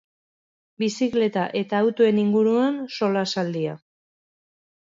Bizikleta eta autoen inguruan solasaldia.